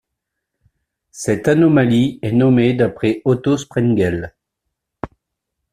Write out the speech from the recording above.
Cette anomalie est nommée d'après Otto Sprengel.